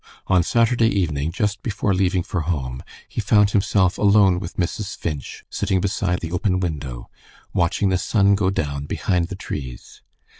On Saturday evening, just before leaving for home, he found himself alone with Mrs. Finch sitting beside the open window, watching the sun go down behind the trees.